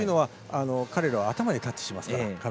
彼らは頭で壁にタッチしますから。